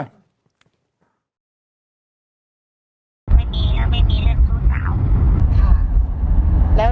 ไม่มีไม่มีเรื่องชู้สาวค่ะ